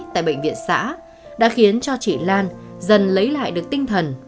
tại bệnh viện xã đã khiến cho chị lan dần lấy lại được tinh thần